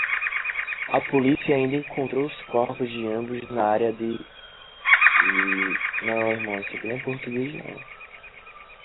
A polícia ainda encontrou os corpos de ambos na área de Llanaber.